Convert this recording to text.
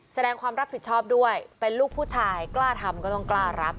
แสดงความรับผิดชอบด้วยเป็นลูกผู้ชายกล้าทำก็ต้องกล้ารับ